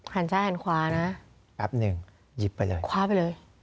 หันใจหันขวานะแป๊บนึงหยิบไปเลยขวาไปเลย